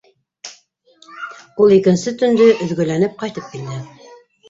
Ул икенсе төндө өҙгөләнеп ҡайтып килде.